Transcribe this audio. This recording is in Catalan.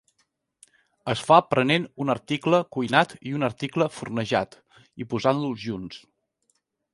Es fa prenent un article cuinat i un article fornejat, i posant-los junts.